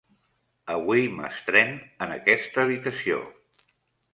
Avui m'estrén en aquesta habitació.